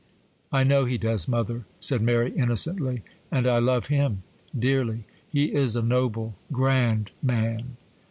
'I know he does, mother,' said Mary, innocently; 'and I love him,—dearly!—he is a noble, grand man!